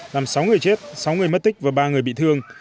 làm sáu người chết sáu người mất tích và ba người bị thương